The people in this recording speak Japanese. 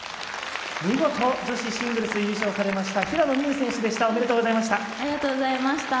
見事女子シングルス優勝されました、平野美宇選手でした。